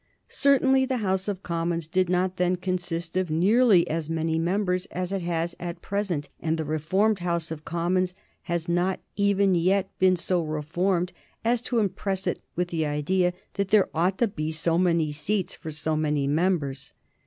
Certainly the House of Commons did not then consist of nearly as many members as it has at present, and the reformed House of Commons has not even yet been so reformed as to impress it with the idea that there ought to be so many seats for so many members.